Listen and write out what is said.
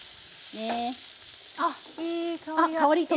あっいい香りが。